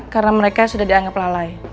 karena mereka sudah dianggap lalai